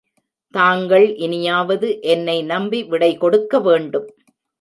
தாங்கள் இனியாவது என்னை நம்பி விடைகொடுக்க வேண்டும்.